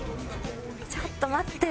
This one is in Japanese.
ちょっと待って。